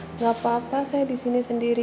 hai nggak apa apa saya disini sendiri